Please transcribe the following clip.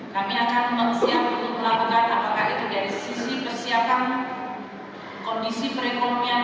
kami akan siap untuk melakukan apakah itu dari sisi persiapan kondisi perekonomian